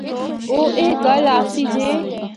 او اے گل آسی جے۔